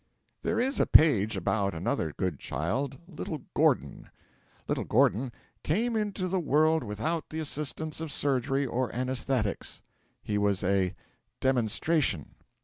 There is a page about another good child little Gordon. Little Gordon 'came into the world without the assistance of surgery or anaesthetics.' He was a 'demonstration.'